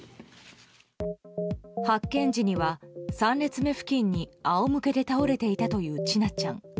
発見時には、３列目付近に仰向けで倒れていたという千奈ちゃん。